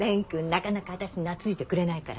なかなか私に懐いてくれないからね